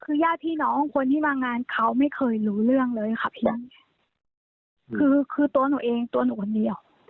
คือญาติพี่น้องคนที่มางานเขาไม่เคยรู้เรื่องเลยค่ะพี่คือคือตัวหนูเองตัวหนูคนเดียว